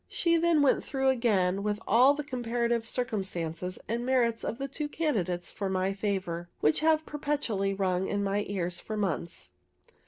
She then went through again with all the comparative circumstances and merits of the two candidates for my favor, which have perpetually rung in my ears for months.